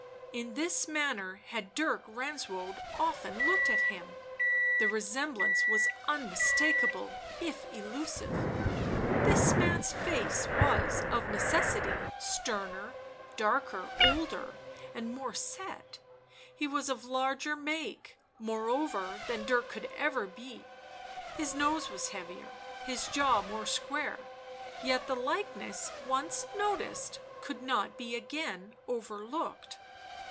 In this manner had Dirk Renswoude often looked at him. The resemblance was unmistakable if elusive ; this man's face was of necessity sterner, darker, older and more set ; he was of larger make, moreover, than Dirk could ever be,, his nose was heavier, his jaw more square, yet the likeness, once noticed, could not be again overlooked.